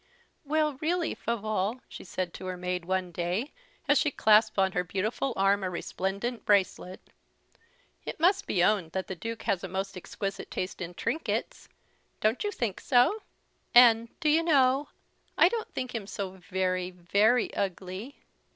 "Well, really, Favolle," said she to her maid, one day, as she clasped on her beautiful arm a resplendent bracelet, "it must be owned the Duke has a most exquisite taste in trinkets; don't you think so? And, do you know, I don't think him so very very ugly.